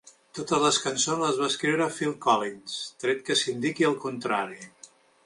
Totes les cançons les va escriure Phil Collins, tret que s'indiqui el contrari.